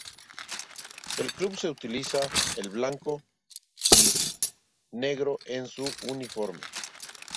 El club se utiliza el blanco y negro en su uniforme.